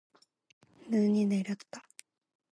눈이 내렸다.